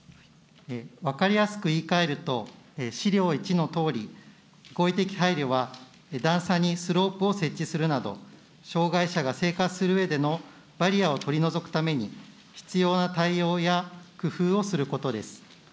分かりやすく言いかえると、資料１のとおり、合理的配慮は、段差にスロープを設置するなど、障害者が生活するうえでのバリアを取り除くために、必要な対応や工夫をすることです。